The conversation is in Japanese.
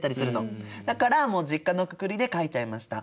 だからもう実家のくくりで書いちゃいました。